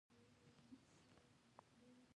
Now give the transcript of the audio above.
بادام څنګه ماتیږي؟